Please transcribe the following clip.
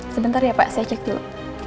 sebentar ya pak saya cek dulu